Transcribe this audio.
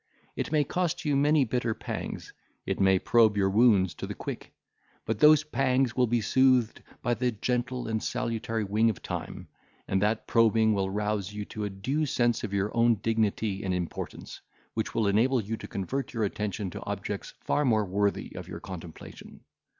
It may cost you many bitter pangs, it may probe your wounds to the quick; but those pangs will be soothed by the gentle and salutary wing of time, and that probing will rouse you to a due sense of your own dignity and importance, which will enable you to convert your attention to objects far more worthy of your contemplation.